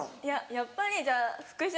やっぱりじゃあ福島